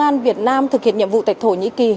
đoàn cứu hộ việt nam thực hiện nhiệm vụ tại thổ nhĩ kỳ